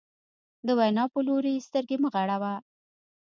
د وینا په لوري یې سترګې مه غړوه.